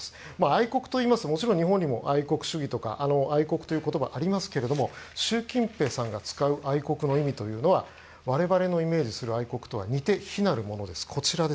愛国といいますともちろん日本にも愛国主義とか愛国という言葉はありますが習近平さんが使う愛国の意味というのは我々のイメージする愛国とは似て非なるものです。